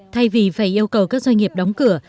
thay vì phải yêu cầu các doanh nghiệp đóng cửa